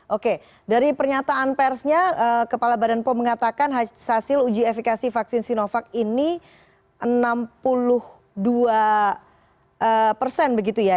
oke dari pernyataan persnya kepala badan pom mengatakan hasil uji efikasi vaksin sinovac ini enam puluh dua persen begitu ya